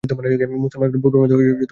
মুসলমানগণ পূর্বের মতই নীরব রইলেন।